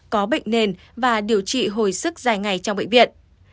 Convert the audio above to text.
có bệnh nền và điều trị hồi sức dài ngày trong bệnh viện